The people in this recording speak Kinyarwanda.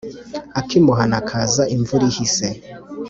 akimuhana kaza imvura ihise